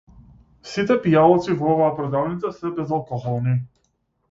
Сите пијалоци во оваа продавница се безалкохолни.